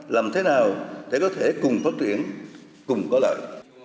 làm thế nào để có thể cùng phát triển cùng có lợi